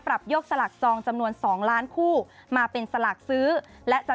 ยกสลากจองจำนวน๒ล้านคู่มาเป็นสลากซื้อและจะ